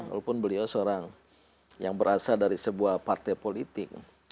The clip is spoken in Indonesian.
walaupun beliau seorang yang berasal dari sebuah partai politik